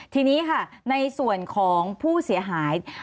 ทีนี้ค่ะในส่วนของผู้เสียหาย